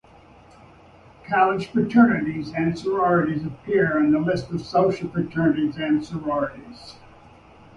College fraternities and sororities appear in the List of social fraternities and sororities.